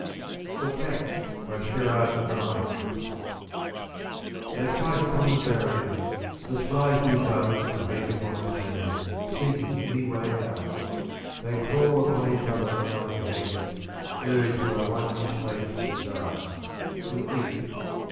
71 SHERARD VINES. THE PACK. THEY fight upon the barrier ; as flies Do buzz and beat upon a pane, seeking Any way out ; they crawl upon each other Like maggots, urged by one unslaked desire — To eat.